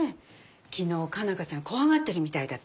昨日佳奈花ちゃん怖がってるみたいだったし。